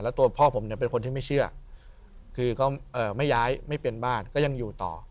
แล้วตัวพ่อผมเนี่ยเป็นคนที่ไม่เชื่อคือเขาไม่ย้ายไม่เป็นบ้านก็ยังอยู่ต่อ